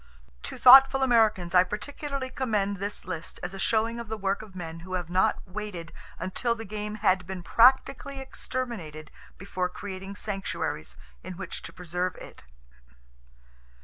To thoughtful Americans I particularly commend this list as a showing of the work of men who have not waited until the game had been practically exterminated before creating sanctuaries in which to preserve it.